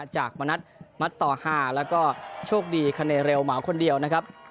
มณัฐมัดต่อ๕แล้วก็โชคดีคาเนเร็วเหมาคนเดียวนะครับ